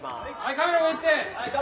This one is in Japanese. カメラ上行って。